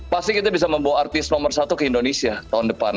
pasti kita bisa membawa artis nomor satu ke indonesia tahun depan